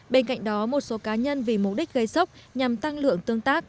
bên cạnh đó một số cá nhân vì mục đích gây sốc nhằm tăng lượng tương tác